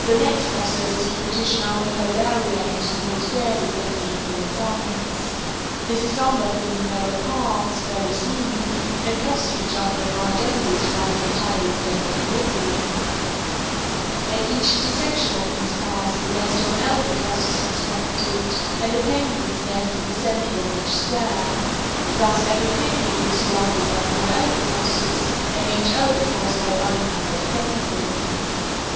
The next process is to partition out the whole area into small squares exactly equal in size. This is done by forming narrow paths, very smooth, and crossing each other at right angles throughout the entire extent of the rookery. At each intersection of these paths the nest of an albatross is constructed, and a penguin's nest in the centre of each square—thus every penguin is surrounded by four albatrosses, and each albatross by a like number of penguins.